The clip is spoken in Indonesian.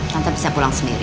tante bisa pulang sendiri